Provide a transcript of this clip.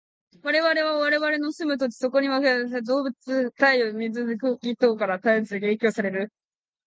我々は我々の住む土地、そこに分布された動植物、太陽、水、空気等から絶えず影響される。